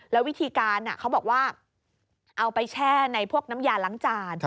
แล้ววิธีการเขาบอกว่าเอาไปแช่ในพวกน้ำยาล้างจาน